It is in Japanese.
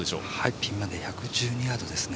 ピンまで１１２ヤードですね。